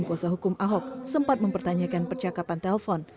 kuasa hukum ahok sempat mempertanyakan percakapan telpon